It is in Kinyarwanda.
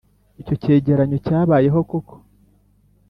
icyo cyegeranyo cyabayeho koko.